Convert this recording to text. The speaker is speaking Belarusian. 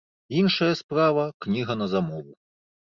Іншая справа кніга на замову.